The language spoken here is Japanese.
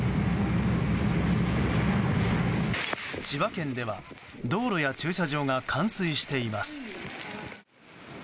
千葉県では道路や駐車場が冠水しています。